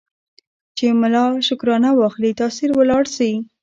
چي ملا شکرانه واخلي تأثیر ولاړ سي